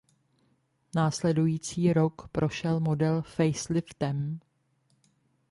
Následující rok prošel model faceliftem.